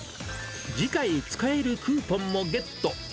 次回使えるクーポンもゲット。